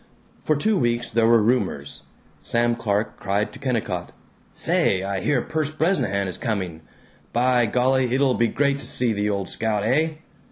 For two weeks there were rumors. Sam Clark cried to Kennicott, "Say, I hear Perce Bresnahan is coming! By golly it'll be great to see the old scout, eh?"